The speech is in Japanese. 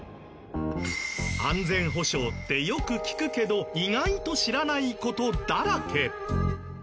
安全保障って、よく聞くけど意外と知らないことだらけ。